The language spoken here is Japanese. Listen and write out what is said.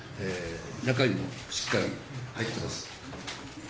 中身もしっかり入っています。